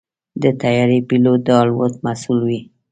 د طیارې پيلوټ د الوت مسؤل وي.